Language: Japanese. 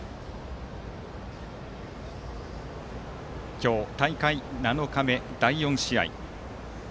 今日、大会７日目の第４試合。